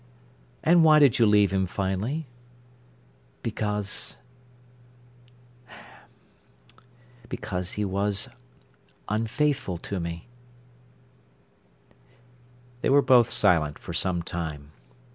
"And why did you leave him finally?" "Because—because he was unfaithful to me—" They were both silent for some time.